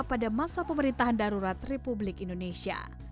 pada masa pemerintahan darurat republik indonesia